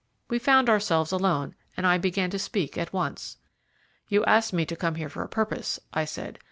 We found ourselves alone, and I began to speak at once. "You asked me to come here for a purpose," I said.